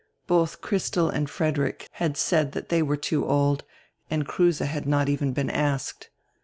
Bodi Christel and Frederick had said diey were too old, and Kruse had not even been asked.